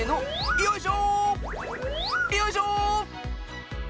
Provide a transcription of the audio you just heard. よいしょ！